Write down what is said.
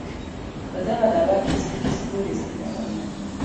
په دغه دعوه کې سپکې سپورې استعمالوي.